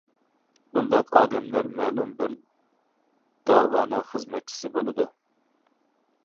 بۇنداق ئادەملەر مەلۇم بىر داۋانىڭ خىزمەتچىسى بولىدۇ.